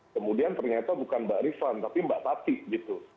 kemudian ternyata bukan mbak rifan tapi mbak tati gitu